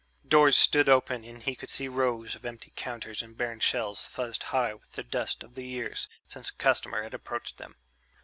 Doors stood open and he could see rows of empty counters and barren shelves fuzzed high with the dust of the years since a customer had approached them.